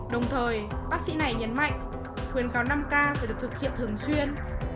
đồng thời bác sĩ này nhấn mạnh khuyến cáo năm k phải được thực hiện thường xuyên